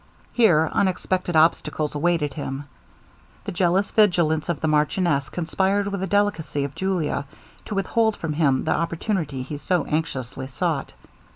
Here unexpected obstacles awaited him. The jealous vigilance of the marchioness conspired with the delicacy of Julia, to withhold from him the opportunity he so anxiously sought.